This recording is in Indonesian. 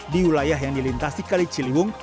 di wilayah yang dilintasi kalitsiluung